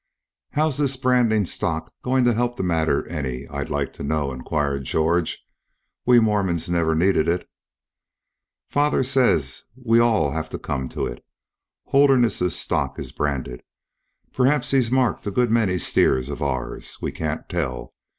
"How's this branding stock going to help the matter any, I'd like to know?" inquired George. "We Mormons never needed it." "Father says we'll all have to come to it. Holderness's stock is branded. Perhaps he's marked a good many steers of ours. We can't tell.